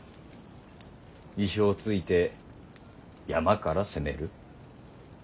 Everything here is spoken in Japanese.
意表をついて山から攻める？